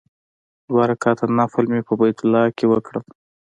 دوه رکعاته نفل مې په بیت الله کې وکړ.